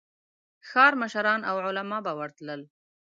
ښار مشران او علماء به ورتلل.